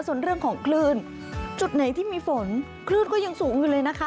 ส่วนเรื่องของคลื่นจุดไหนที่มีฝนคลื่นก็ยังสูงอยู่เลยนะคะ